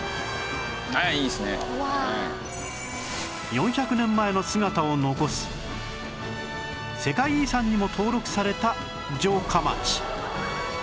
４００年前の姿を残す世界遺産にも登録された城下町